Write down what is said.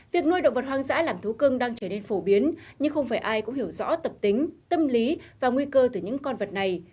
việc nuôi động vật hoang dã làm thú cưng đang trở nên phổ biến nhưng không phải ai cũng hiểu rõ tập tính tâm lý và nguy cơ từ những con vật này